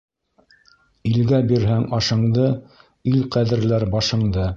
Илгә бирһәң ашыңды, ил ҡәҙерләр башыңды;